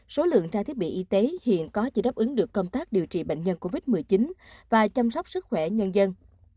số lượng tra thiết bị y tế hiện có chỉ đáp ứng được công tác điều trị bệnh nhân covid một mươi chín và chăm sóc sức khỏe nhân dân